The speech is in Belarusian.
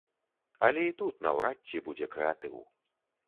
Але і тут наўрад ці будзе крэатыў.